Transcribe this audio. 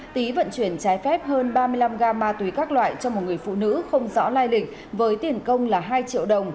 tý vận chuyển trái phép hơn ba mươi năm gam ma túy các loại cho một người phụ nữ không rõ lai lịch với tiền công là hai triệu đồng